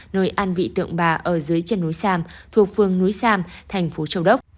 nơi an vị tượng bà ở dưới chân núi sam thuộc phương núi sam thành phố châu đốc